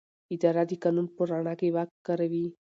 اداره د قانون په رڼا کې واک کاروي.